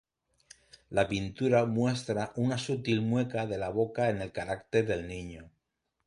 La pintura muestra una sutil mueca de la boca en el carácter del niño.